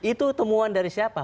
itu temuan dari siapa